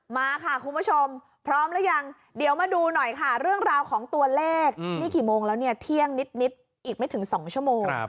มาค่ะคุณผู้ชมพร้อมหรือยังเดี๋ยวมาดูหน่อยค่ะเรื่องราวของตัวเลขนี่กี่โมงแล้วเนี่ยเที่ยงนิดอีกไม่ถึง๒ชั่วโมง